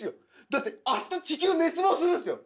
だって明日地球滅亡するんですよ！